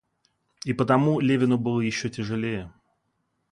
И потому Левину было еще тяжелее.